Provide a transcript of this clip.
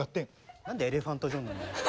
何でエレファントジョンなんだよ。